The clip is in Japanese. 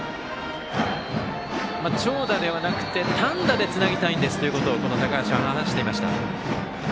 長打ではなくて、単打でつなぎたいんですということを高橋は話していました。